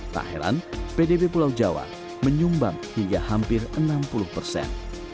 tak heran pdb pulau jawa menyumbang hingga hampir enam puluh persen